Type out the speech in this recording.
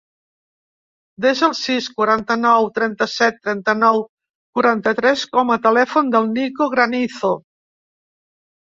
Desa el sis, quaranta-nou, trenta-set, trenta-nou, quaranta-tres com a telèfon del Nico Granizo.